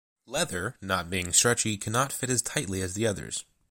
Leather, not being stretchy, cannot fit as tightly as the others.